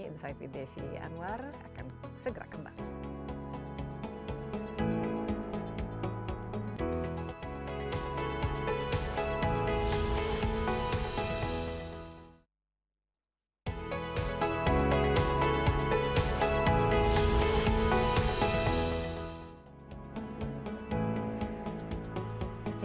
insight with desi anwar akan segera kembali